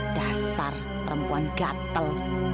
dasar perempuan gatel